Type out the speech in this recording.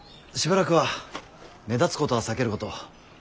しばらくは目立つことは避けること。